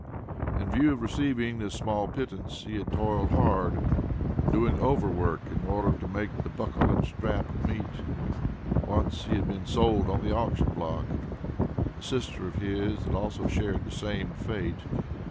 In view of receiving this small pittance, he had toiled hard doing over work in order to make "buckle and strap meet." Once he had been sold on the auction block. A sister of his had also shared the same fate.